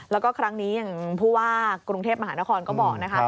แล้วก็ครั้งนี้อย่างผู้ว่ากรุงเทพมหานครก็บอกนะคะ